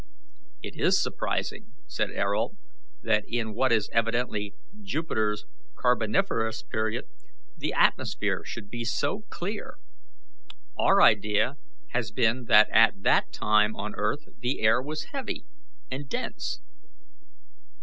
"It is surprising," said Ayrault, "that in what is evidently Jupiter's Carboniferous period the atmosphere should be so clear. Our idea has been that at that time on earth the air was heavy and dense."